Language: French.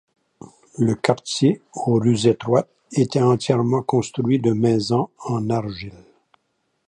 Le quartier, aux rues étroites, était entièrement construit de maisons en argile.